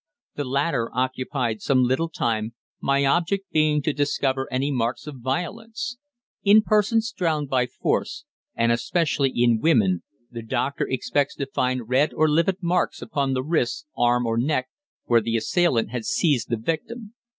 The latter occupied some little time, my object being to discover any marks of violence. In persons drowned by force, and especially in women, the doctor expects to find red or livid marks upon the wrists, arms or neck, where the assailant had seized the victim.